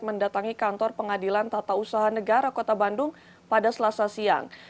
mendatangi kantor pengadilan tata usaha negara kota bandung pada selasa siang